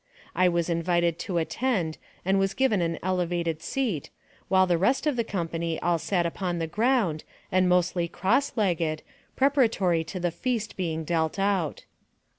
I was in vited to attend, and was given an elevated seat, while the rest of the company all sat upon the ground, and 88 NARRATIVE OF CAPTIVITY mostly cross legged, preparatory to the feast being dealt out.